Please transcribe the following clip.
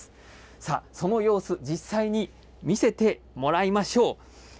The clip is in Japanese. さあ、その様子、実際に見せてもらいましょう。